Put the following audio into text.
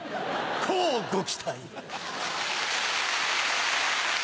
乞うご期待！